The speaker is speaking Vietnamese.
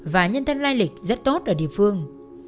và nhân thân lai lịch rất tốt ở địa phương